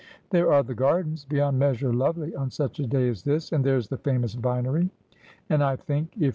' There are the gardens, beyond measure lovely on such a day as this ; and there is the famous vinery ; and, I think, if 34 Asphodel.